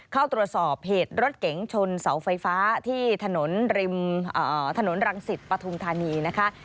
เข้าตรวจสอบเหตุรถเก๋งชนเสาไฟฟ้าที่ถนนริมถนนรังสิตปฐุมธานีนะคะ